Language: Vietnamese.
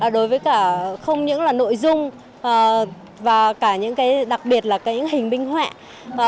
đối với cả không những là nội dung và cả những cái đặc biệt là cái hình minh họa